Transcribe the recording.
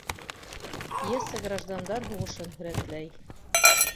Пьеса граждандар һуғышын һүрәтләй